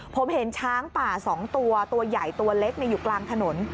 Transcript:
ผมเห็นช้างป่า๒ตัวตัวใหญ่ตัวเล็กอยู่กลางถนน